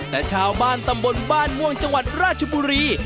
แต่ชาวบ้านตำบลบ้านม่วงจังหวัดราชบุรี